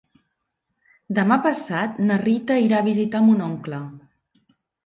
Demà passat na Rita irà a visitar mon oncle.